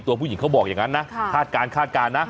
ผู้หญิงเขาบอกอย่างนั้นนะคาดการณคาดการณ์นะ